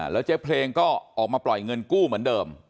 แล้วเจ๊เพลงก็ออกมาปล่อยเงินกู้เหมือนเดิม